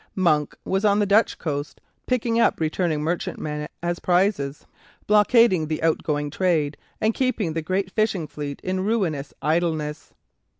Monk was on the Dutch coast, picking up returning merchantmen as prizes, blockading the outgoing trade, and keeping the great fishing fleet in ruinous idleness.